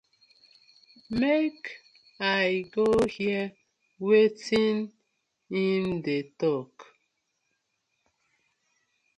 Mak I go heaar wetin im dey tok.